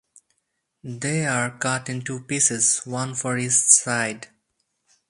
They are cut in two pieces, one for each side.